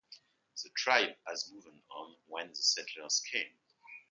The tribe had moved on when the settlers came.